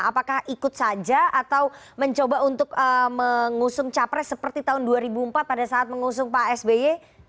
apakah ikut saja atau mencoba untuk mengusung capres seperti tahun dua ribu empat pada saat mengusung pak sby